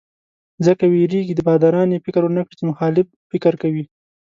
ځکه وېرېږي باداران یې فکر ونکړي چې مخالف فکر کوي.